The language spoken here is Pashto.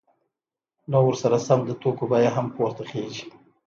نو ورسره سم د توکو بیه هم پورته خیژي